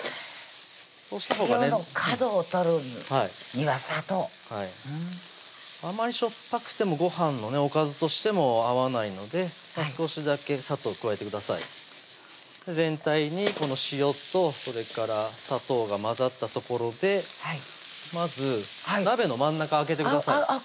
うまいこと言うな塩の角を取るには砂糖あまり塩っぱくてもごはんのねおかずとしても合わないので少しだけ砂糖加えてください全体にこの塩とそれから砂糖が混ざったところでまず鍋の真ん中空けてください